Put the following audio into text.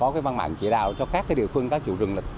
có văn mạng chỉ đạo cho các địa phương các chủ rừng